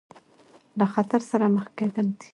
له خطر سره مخ کېدل دي.